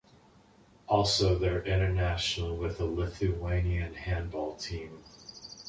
Also, they’re international with the Lithuanian Handball Team.